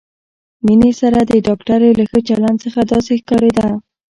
مينې سره د ډاکټرې له ښه چلند څخه داسې ښکارېده.